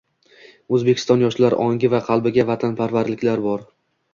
Oʻzbekiston yoshlar ongi va qalbiga vatanparvarlik bor